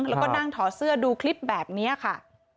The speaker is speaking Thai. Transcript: แล้วก็นั่งถอดเสื้อดูคลิปแบบนี้ค่ะ